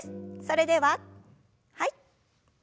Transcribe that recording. それでははい。